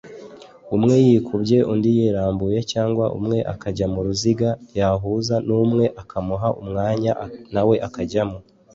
umwe y’ikubye undi yirambuye cyangwa umwe akajya mu ruziga yahuza n’umwe akamuha umwanya nawe akajyamo